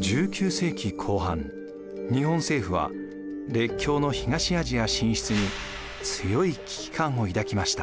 １９世紀後半日本政府は列強の東アジア進出に強い危機感を抱きました。